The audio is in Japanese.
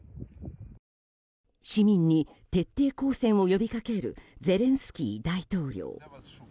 市民に徹底抗戦を呼びかけるゼレンスキー大統領。